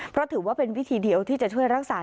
เพราะถือว่าเป็นวิธีเดียวที่จะช่วยรักษา